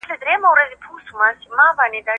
ایا واړه پلورونکي وچ انار ساتي؟